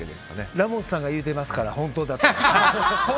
ラモスさんが言ってますから本当だと思います。